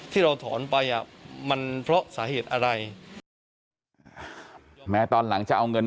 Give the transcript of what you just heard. ที่เราถอนไปมันเพราะสาเหตุอะไร